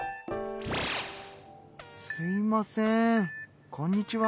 すいませんこんにちは。